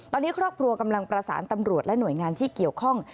ตอนนี้ครอบครัวกำลังประสานตำรวจและหน่วยงานที่เกี่ยวข้อง